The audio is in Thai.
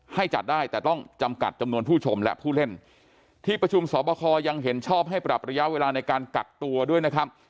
ให้จัดได้แต่ต้องจำกัดจำนวนผู้ชมและผู้เล่นที่ประชุมสอบคอยังเห็นชอบให้ปรับระยะเวลาในการกักตัวด้วยนะครับ